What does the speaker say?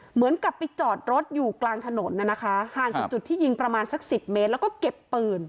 เหมือนกับไปจอดรถอยู่กลางถนนน่ะนะคะห่างจากจุดที่ยิงประมาณสักสิบเมตรแล้วก็เก็บปืน